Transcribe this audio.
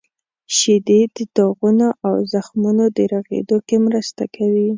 • شیدې د داغونو او زخمونو د رغیدو کې مرسته کوي.